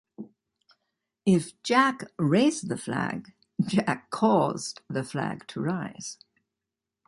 If Jack raised the flag, Jack caused the flag to rise.